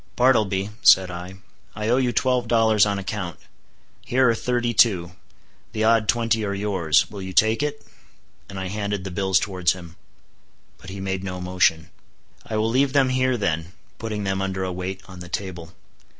"Bartleby," said I, "I owe you twelve dollars on account; here are thirty two; the odd twenty are yours.—Will you take it?" and I handed the bills towards him. But he made no motion. "I will leave them here then," putting them under a weight on the table.